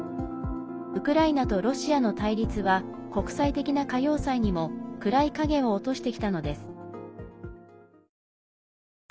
ウクライナとロシアの対立は国際的な歌謡祭にも暗い影を落としてきたのです。